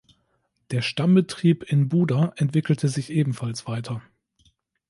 Der Stammbetrieb in Buda entwickelte sich ebenfalls weiter.